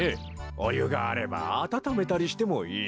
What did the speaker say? おゆがあればあたためたりしてもいい。